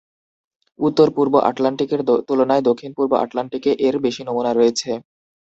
উত্তর-পূর্ব আটলান্টিকের তুলনায় দক্ষিণ-পূর্ব আটলান্টিকে এর বেশি নমুনা রয়েছে।